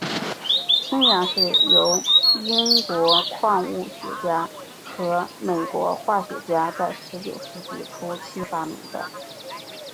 氢氧是由英国矿物学家和美国化学家在十九世纪初期发明的。